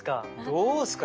どうっすか？